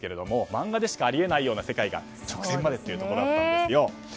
漫画でしかありえないような世界が直前までというところでした。